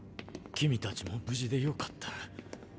君たちも無事でよかった。